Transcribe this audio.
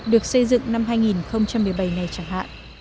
được xây dựng năm hai nghìn một mươi bảy này chẳng hạn